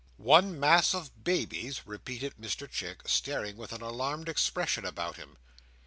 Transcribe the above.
"One mass of babies!" repeated Mr Chick, staring with an alarmed expression about him.